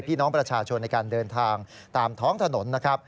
พี่น้องประชาชนในการเดินทางตามท้องถนนนะครับ